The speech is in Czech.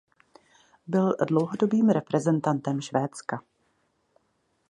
Byl dlouholetým reprezentantem Švédska.